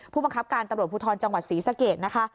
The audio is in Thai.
ผู้บังคับการตำรวจภูทรจังหวัดศรีสะเกดนะคะ